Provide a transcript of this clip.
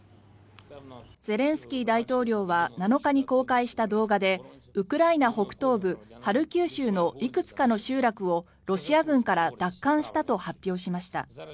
ゼレンスキー大統領は７日に公開した動画でウクライナ北東部ハルキウ州のいくつかの集落をロシア軍から奪還したと発表しました。